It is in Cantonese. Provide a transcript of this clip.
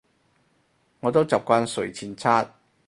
我都習慣睡前刷